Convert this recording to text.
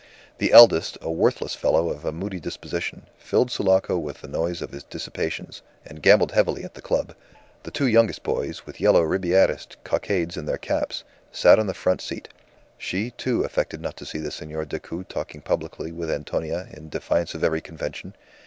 The eldest, a worthless fellow of a moody disposition, filled Sulaco with the noise of his dissipations, and gambled heavily at the club. The two youngest boys, with yellow Ribierist cockades in their caps, sat on the front seat. She, too, affected not to see the Senor Decoud talking publicly with Antonia in defiance of every convention.